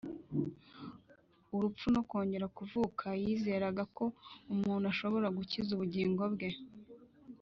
urupfu no kongera kuvuka yizeraga ko umuntu ashobora gukiza ubugingo bwe